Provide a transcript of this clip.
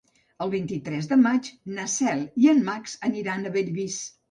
El vint-i-tres de maig na Cel i en Max aniran a Bellvís.